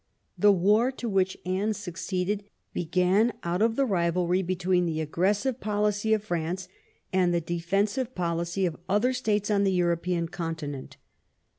The war to which Anne succeeded began out of the rivalry be tween the aggressive policy of France and the defensive policy of other states on the European continent.